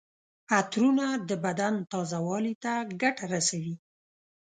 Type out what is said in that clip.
عطرونه د بدن تازه والي ته ګټه رسوي.